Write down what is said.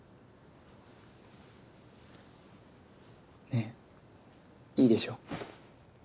ねいいでしょ？